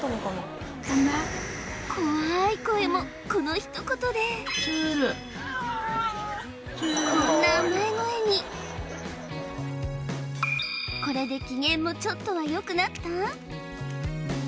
怖い声もこのひと言でこんな甘え声にこれで機嫌もちょっとはよくなった？